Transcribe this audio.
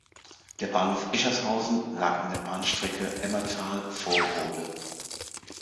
Der Bahnhof "Eschershausen" lag an der Bahnstrecke Emmerthal–Vorwohle.